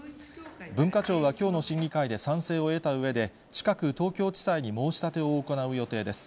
文化庁はきょうの審議会で賛成を得たうえで、近く東京地裁に申し立てを行う予定です。